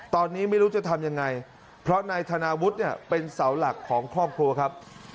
ตอนนี้ไม่รู้จะทำยังไงเพราะนายธนาวุฒิเนี่ยเป็นเสาหลักของครอบครัวครับ